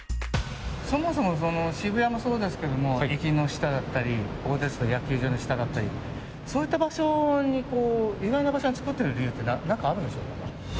そもそも渋谷もそうですけれども駅の下だったりここですと野球場の下だったりそういった意外な場所に作っている理由って何かあるんでしょうか。